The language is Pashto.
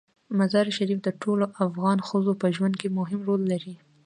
مزارشریف د ټولو افغان ښځو په ژوند کې مهم رول لري.